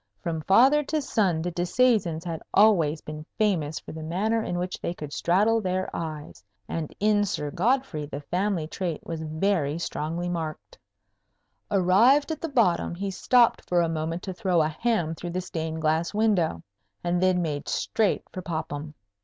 From father to son, the Disseisins had always been famous for the manner in which they could straddle their eyes; and in Sir Godfrey the family trait was very strongly marked. [Illustration: The Baron pursueth Whelpdale into the Buttery] Arrived at the bottom, he stopped for a moment to throw a ham through the stained glass window, and then made straight for Popham.